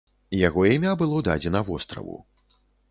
Яго імя было дадзена востраву.